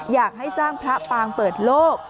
อยากให้สร้างพระปางเปิดโลก